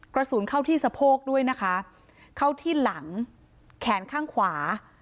กระสุนเข้าที่สะโพกด้วยนะคะเข้าที่หลังแขนข้างขวา